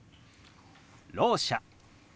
「ろう者」。